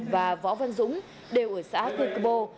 và võ văn dũng đều ở xã cư cơ bô